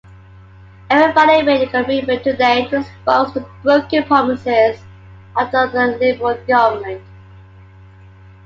Everybody made a commitment today to expose the broken promises of the Liberal government.